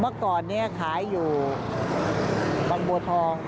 เมื่อก่อนนี้ขายอยู่บางบัวทอง